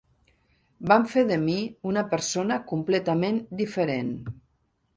Van fer de mi una persona completament diferent.